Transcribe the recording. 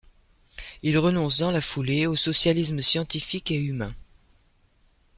Il renonce dans la foulée au socialisme scientifique et humain.